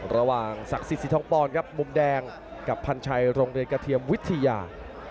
ศักดิ์สิทธิสีทองปอนครับมุมแดงกับพันชัยโรงเรียนกระเทียมวิทยา